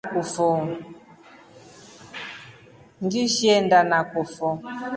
Ngiishi aenda nakufo.